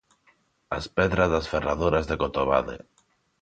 As pedras das ferraduras de Cotobade.